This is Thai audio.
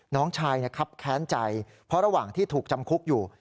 น้องชายครับแค้นใจเพราะระหว่างที่ถูกจำคุกอยู่